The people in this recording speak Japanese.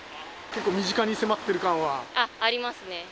結構身近に迫ってる感は？ありますね。